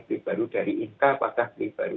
beli baru dari incat apakah beli baru